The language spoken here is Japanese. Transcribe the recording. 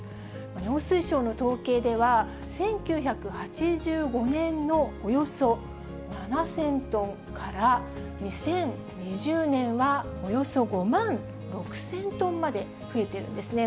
農水省の統計では、１９８５年のおよそ７０００トンから、２０２０年はおよそ５万６０００トンまで増えているんですね。